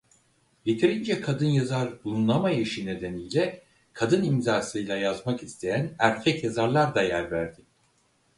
Yeterince kadın yazar bulunamayışı nedeniyle kadın imzasıyla yazmak isteyen erkek yazarlar da yer verdi.